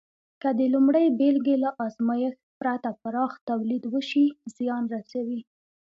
که د لومړۍ بېلګې له ازمېښت پرته پراخ تولید وشي، زیان رسوي.